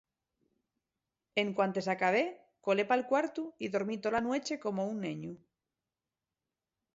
En cuantes acabé, colé pal cuartu y dormí tola nueche como un neñu.